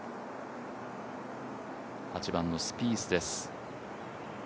８番のスピースです。